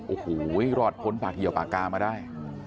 โอ้โห้ยยรอดผลผ้าเยี่ยวกากามมาได้